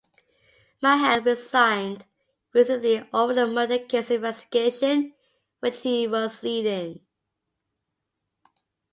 Mahale resigned recently over a murder case investigation which he was leading.